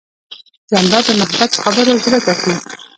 جانداد د محبت په خبرو زړه ګټي.